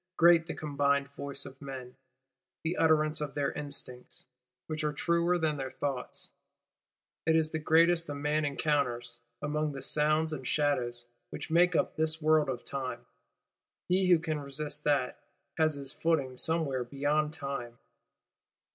Great is the combined voice of men; the utterance of their instincts, which are truer than their thoughts: it is the greatest a man encounters, among the sounds and shadows, which make up this World of Time. He who can resist that, has his footing some where beyond Time.